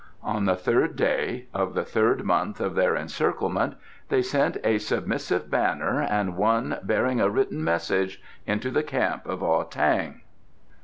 On the third day of the third moon of their encirclement they sent a submissive banner, and one bearing a written message, into the camp of Ah tang.